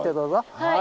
はい。